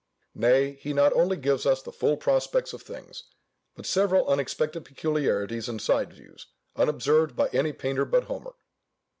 Nay, he not only gives us the full prospects of things, but several unexpected peculiarities and side views, unobserved by any painter but Homer.